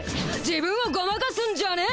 自分をごまかすんじゃねえ！